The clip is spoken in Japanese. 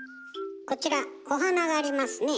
こちらお花がありますね。